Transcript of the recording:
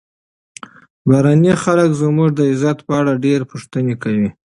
بهرني خلک زموږ د عزت په اړه ډېرې پوښتنې کوي.